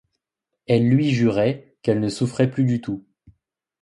Elle lui jurait qu'elle ne souffrait plus du tout.